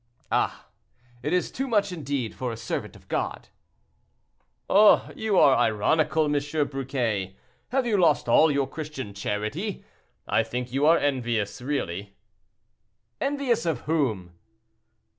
"Ah! it is too much indeed for a servant of God." "Ah! you are ironical, M. Briquet. Have you lost all your Christian charity? I think you are envious, really." "Envious! of whom?"